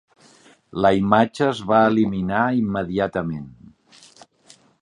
La imatge es va eliminar immediatament.